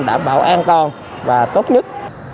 đảm bảo an toàn và tốt nhất